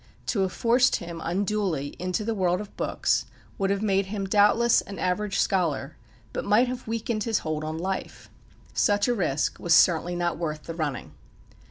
To have forced him unduly into the world of books would have made him, doubtless, an average scholar, but might have weakened his hold on life. Such a risk was certainly not worth the running.